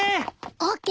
ＯＫ